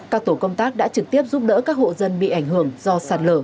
các tổ công tác đã trực tiếp giúp đỡ các hộ dân bị ảnh hưởng do sạt lở